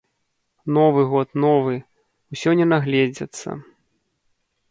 Новы год, новы, ўсё не наглядзяцца.